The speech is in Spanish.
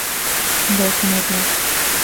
Dos metros.